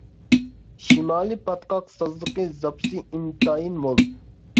شىمالىي پاتقاق سازلىق زاپىسى ئىنتايىن مول.